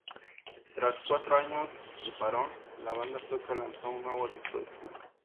Tras cuatro años de parón, la banda sueca lanzó un nuevo disco de estudio.